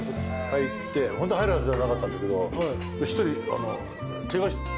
入ってホントは入るはずじゃなかったんだけど１人。